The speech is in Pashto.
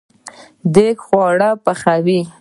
دیګ خواړه پخوي